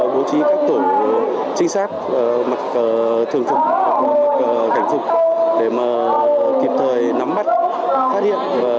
bố trí các tổ chính xác mặc thường phục hoặc mặc cảnh phục để mà kịp thời nắm bắt phát hiện